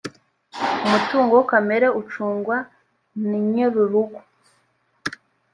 umutungo kamere ucungwa ninyirurugo.